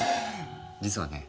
実はね